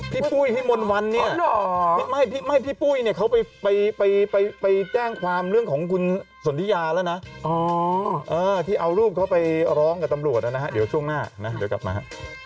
ปุ้ยพี่มนต์วันเนี่ยไม่พี่ปุ้ยเนี่ยเขาไปแจ้งความเรื่องของคุณสนทิยาแล้วนะที่เอารูปเขาไปร้องกับตำรวจนะฮะเดี๋ยวช่วงหน้านะเดี๋ยวกลับมาฮะ